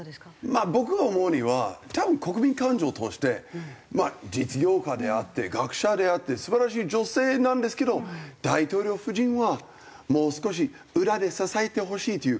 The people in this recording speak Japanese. まあ僕が思うには多分国民感情を通してまあ実業家であって学者であって素晴らしい女性なんですけど大統領夫人はもう少し裏で支えてほしいという。